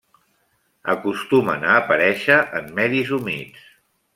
Acostumen a aparèixer en medis humits.